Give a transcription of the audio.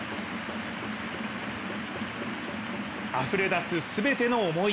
あふれ出す全ての思い。